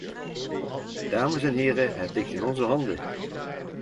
Dames en heren, het ligt in onze handen.